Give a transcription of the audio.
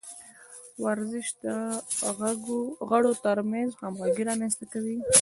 ورزش د غړو ترمنځ همغږي رامنځته کوي.